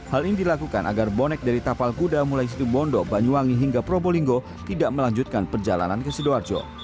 hal ini dilakukan agar bonek dari tapal kuda mulai situbondo banyuwangi hingga probolinggo tidak melanjutkan perjalanan ke sidoarjo